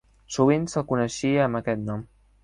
Sovint se'l coneixia amb aquest nom.